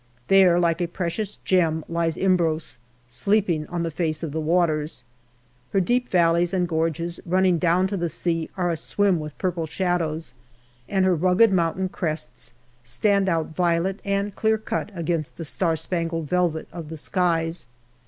There, like a precious gem, lies Imbros, sleeping on the face of the waters ; her deep valleys and gorges, running down to the sea, are aswim with purple shadows, and her rugged mountain crests stand out violet and clear cut against the star spangled velvet of the skies.